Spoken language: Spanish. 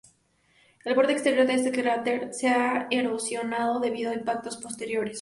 El borde exterior de este cráter se ha erosionado debido a impactos posteriores.